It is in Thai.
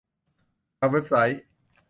ทำเว็บไซต์